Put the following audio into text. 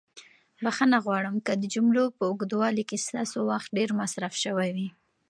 بښنه غواړم که د جملو په اوږدوالي کې ستاسو وخت ډېر مصرف شوی وي.